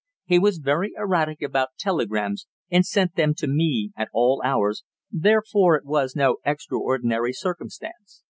He was very erratic about telegrams and sent them to me at all hours, therefore it was no extraordinary circumstance.